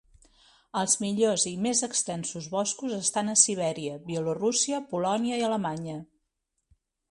Els millors i més extensos boscos estan a Sibèria, Bielorússia, Polònia i Alemanya.